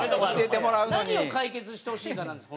何を解決してほしいかなんです